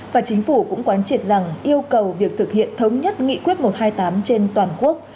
và chính phủ cũng quán triệt rằng yêu cầu việc thực hiện thống nhất nghị quyết một trăm hai mươi tám trên toàn quốc